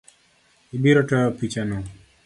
Ibirotoyo pichano